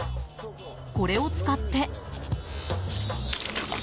これを使って。